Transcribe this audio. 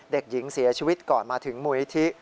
เด็กหญิงเสียชีวิตก่อนมาถึงมูลนิธิ